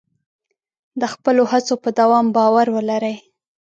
د خپلو هڅو په دوام باور ولرئ.